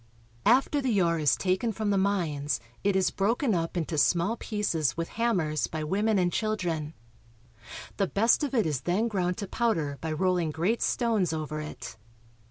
After the ore is taken from the mines it is broken up into small pieces with hammers by women and children. The best of it is then ground to powder by rolling great stones over it.